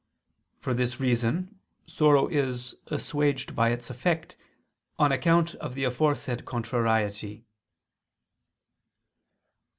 For this reason sorrow is assuaged by its effect, on account of the aforesaid contrariety.